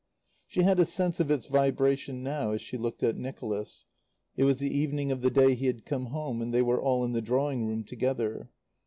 She had a sense of its vibration now, as she looked at Nicholas. It was the evening of the day he had come home, and they were all in the drawing room together.